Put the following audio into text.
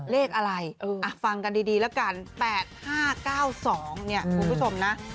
เลขอะไรฟังกันดีแล้วกัน๘๕๙๒เนี่ยคุณผู้ชมนะ